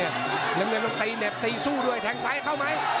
น้ำเงินต้องตีเหน็บตีสู้ด้วยแทงซ้ายเข้าไหม